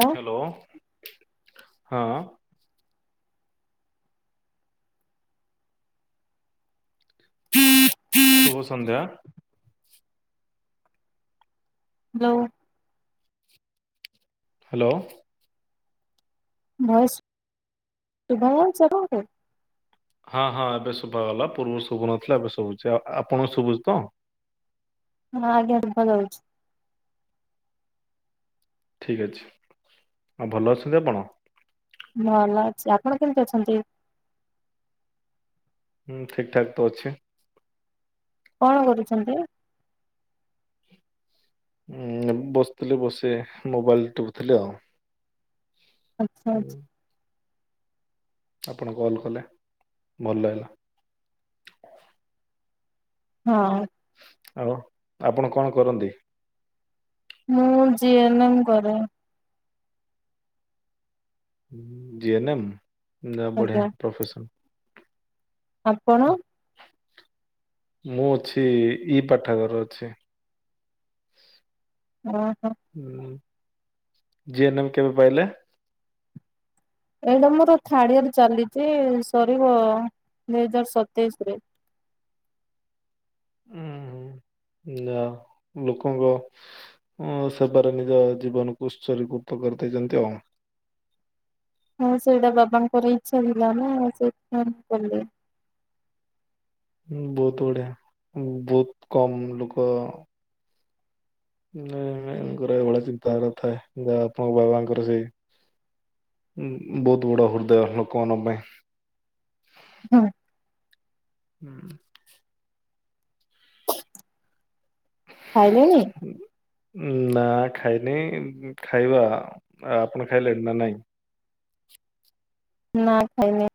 Hello ହଁ। ହୁଁ [unintelligible] ଶୁଭ ସନ୍ଧ୍ୟା। ହାଲୋ। ହ୍ୟାଲୋ। ଭଏସ୍ ସୁବା ଯାଉଛି ଆପଣଙ୍କୁ? ହଁ ହଁ ଏବେ ଶୁଭା ଗଲା ପୂର୍ବରୁ ଶୁଭୁନଥିଲା ଏବେ ଶୁଭୁଛି ଆ-ଆଉ ଆପଣଙ୍କୁ ଶୁଭୁଛି ତ? ହଁ ଆଜ୍ଞା ଶୁଭାଯାଉଛି । ଠିକ ଅଛି ଆଉ ଭଲ ଅଛନ୍ତି ଆପଣ? ଭଲ ଅଛି ଆପଣ କେମିତି ଅଛନ୍ତି? ହୁଁ ଠିକଠାକତ ଅଛି। କଣ କରୁଛନ୍ତି? ଉ ବସିଥିଲି ବସେ ମୋବାଇଲ ଟିପୁଥିଲି ଆଉ। ଆଛା ହୁଁ, ଆଛା। ଆପଣ କଲ୍ କଲେ ଭଲ ହେଲା। ହଁ। ଆଉ ଆପଣ କଣ କରନ୍ତି? ମୁଁ ଜିଏନେଙ୍କରେ ଜି ଏନ ଏମ୍ ଯ ବଢିଆ ଆଜ୍ଞା। ପ୍ରୋଫସର ଆପଣ? ମୁଁ ଅଛି ଇ ପାଠାଗାର ଅଛି। ଓ ହୋ। ଯିଏ ନେମ କେବେ ପାଇଲେ? ଏଇଟା ମୋର ଥାର୍ଡ ଇୟର ଚାଲିଛି ସରିବ ଦୁଇହଜାର ସତେଇଶରେ। [inaudible] ନା ଲୋକଙ୍କ ସେବାରେ ନିଜ ଜୀବନକୁ ଉତ୍ସରୀ କର ତ କରି ଦେଇଛନ୍ତି ଆଉ। ହଁ ସେଇଟା ବାବାଙ୍କର ଇଚ୍ଛା ଥିଲା ନା ସେ କରିଦେଲେ। ବହୁତ ବଢିଆ ବହୁତ କମ୍ ଲୋକ ନଙ୍କର ଏଇଭଳିଆ ଚିନ୍ତାର ଥାଏ ଯ ଆପଣଙ୍କ ବାବାଙ୍କର ସେଇ ବହୁତ ବଡ ହୃଦୟ ଲୋକମାନଙ୍କ ପାଇଁ। ହୁଁ। ହୁଁ। ଖାଇଲେଣି ନା ଖାଇନି ଖାଇବା ଆପଣ ଖାଇଲେଣି ନା ନାଇଁ? ନା ଖାଇ ନାଇ।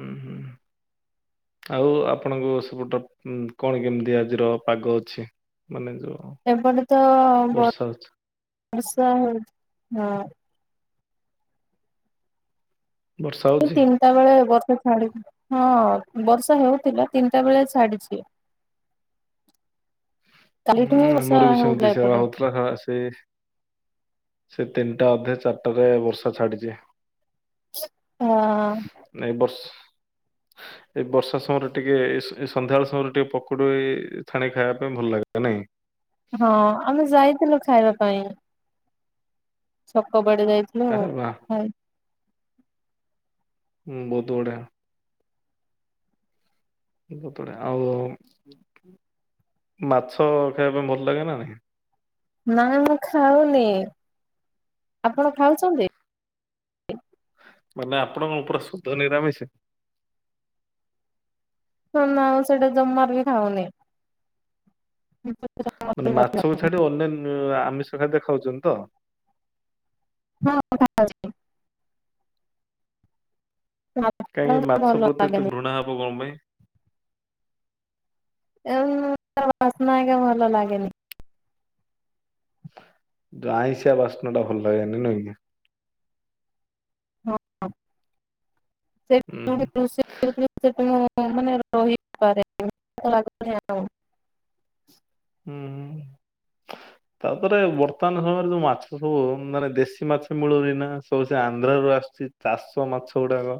ହୁଁ ହୁଁ। ଆଉ ଆପଣଙ୍କୁ ସେପଟ କଣ କେମିତି ଆଜିର ପାଗ ଅଛି ମାନେ ଯୋଉ ଏପଟେ ତ ବ ବର୍ଷା ହଉଛି ବର୍ଷା ହଉଥିଲା। ବର୍ଷା ସେ ହଉଛି? ତିନିଟା ବେଳେ ବ ହଁ ବର୍ଷା ହେଉଥିଲା ତିନିଟା ବେଳେ ଛାଡିଛି [inaudible] କାଲିଠୁ ହିଁ ହୁଁ ବର୍ଷା ଆମର ବି ସେମିତି ହେଉଥିଲା ସେବା ଏପଟେ ହଉଥିଲା ସେଇ ସେ ତିନିଟା ଅଧେ ଚାରିଟାରେ ବର୍ଷା ଛାଡିଛି ହଁ। ଏଇ ବର୍ଷା ସମୟରେ ଟିକେ ଏ ଏ ଏ ସ ସନ୍ଧ୍ୟାବେଳ ସମୟରେ ଟିକେ ପକୁଡ଼ି ଛାଣି ଖାଇବା ପାଇଁ ଭଲ ଲାଗେ। ନାଇ। ହଁ ଆମେ ଯାଇଥିଲୁ ଖାଇବା ପାଇଁ। ଛକ ବାଡି ଯାଇଥିଲୁ ଆରେ ବା ଆ ହଁ ବହୁତ୍ ବଢ଼ିଆ। ବହୁତ୍ ବଢିଆ ଆଉ। ମାଛ ଖାଇବା ପାଇଁ ଭଲ ଲାଗେ ନା ନାଇଁ? ନାଇ ମୁଁ ଖାଉନି। ଆପଣ ଖାଉଛନ୍ତି? ମାନେ ଆପଣ କଣ ଉପର ଶୁଦ୍ଧ ନିରାମିଷି! ହ ନା ମୁ ସେଟା ଜମାରୁ ବି ଖାଉନି। ମାନେ ମାଛକୁ ଛାଡି ଅନ୍ୟାନ୍ୟ ଆମିଷ ଖାଦ୍ୟ ଖାଉଛନ୍ତି ତ! ହଁ ଖାଉଚି। କାହିଁକି ଭଲ ମାଛ ପ୍ରତି ଏତେ ଲାଗେନି ଘୃଣା ହବ କଣ ପାଇଁ? ଏ ବାସନା ଏକା ଭଲ ଲାଗେନି। ଆଇଁସିଆ ବାସ୍ନା ଟା ଭଲ ଲାଗେନି ନୁହେଁ କି! ହଁ। [inaudible] ହୁଁ ହୁଁ ମାନେ ରହି ପାରେନି ମତେ ଲାଗୁଚି ଆଉ। ହୁଁ [unintelligible] ତାପରେ ବର୍ତ୍ତମାନ ସମୟରେ ଯୋଉ ମାଛ ସବୁ ମାନେ ଦେଶୀ ମାଛ ମିଳୁନି ନା ସବୁ ସେ ଆନ୍ଧ୍ରାରୁ ଆସ ଚି ଚାଷ ମାଛ ଗୁଡାକ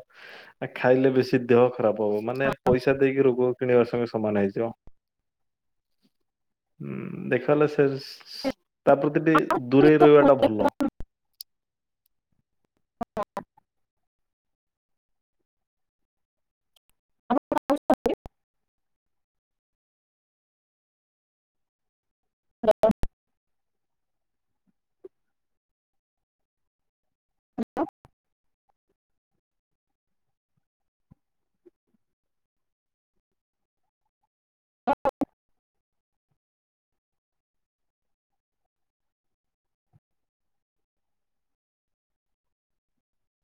ଆ ଖାଇଲେ ବେଶୀ ଦେହ ଖରାପ ହବ ମାନେ ପଇସା ଦେଇକି ରୋଗ କିଣିବାର ସଙ୍ଗେ ସମାନ ହେଇଯିବ। ହୁଁ ଦେଖା ହେଲା ସେ ସ ତା ପ୍ରତି ଟି ଦୂରେଇ ରହିବା ଟା ଭଲ। [unintelligible] [inaudible] [unintelligible] [inaudible] [inaudible] [inaudible]